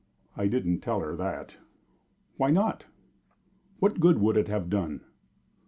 "I didn't tell her that." "Why not?" "What good would it have done?"